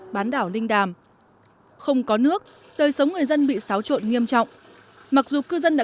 bán đảo linh đàm không có nước đời sống người dân bị xáo trộn nghiêm trọng mặc dù cư dân đã